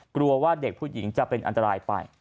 กลัวว่าเด็กผู้หญิงจะเป็นอันตรายไป